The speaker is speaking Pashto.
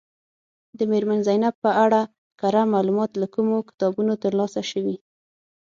د میرمن زینب په اړه کره معلومات له کومو کتابونو ترلاسه شوي.